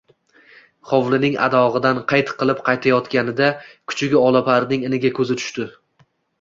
Hovlining adog`idan qayt qilib qaytayotganida kuchugi Olaparning iniga ko`zi tushdi